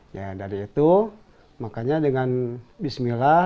ya dari itu makanya dengan bismillah